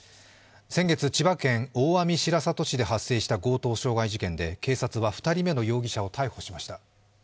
先月、千葉県大網白里市で発生した強盗傷害事件で警察は２人目の容疑者を逮捕しました。